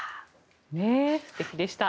素敵でした。